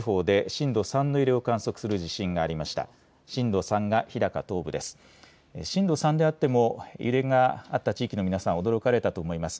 震度３であっても揺れがあった地域の皆さん、驚かれたと思います。